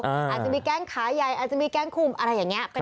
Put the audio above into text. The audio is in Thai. อาจจะมีแกล้งขาใหญ่อาจจะมีแกล้งคุมอะไรอย่างนี้